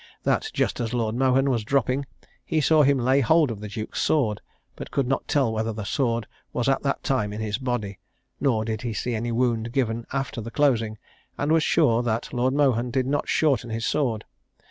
That just as Lord Mohun was dropping, he saw him lay hold of the duke's sword, but could not tell whether the sword was at that time in his body; nor did he see any wound given after the closing, and was sure Lord Mohun did not shorten his sword.